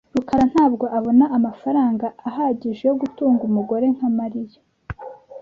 rukara ntabwo abona amafaranga ahagije yo gutunga umugore nka Mariya .